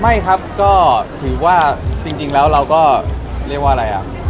ไม่ครับก็ถือว่าจริงแล้วเราก็เรียกว่าอะไรอ่ะ